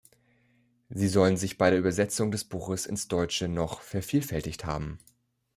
Sie sollen sich bei der Übersetzung des Buches ins Deutsche noch vervielfältigt haben.